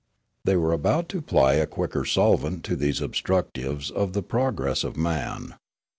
They were about to apply a quicker solvent to these obstructives of the progress of man.